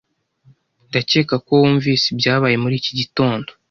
Ndakeka ko wumvise ibyabaye muri iki gitondo.